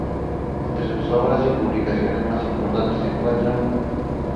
Entre sus obras y publicaciones más importantes se encuentran